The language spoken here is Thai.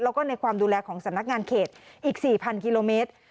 แล้วก็ในความดูแลของสำนักงานเขตอีก๔๐๐กิโลเมตร